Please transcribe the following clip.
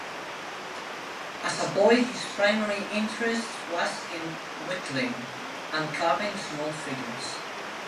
As a boy his primary interest was in whittling, and carving small figures.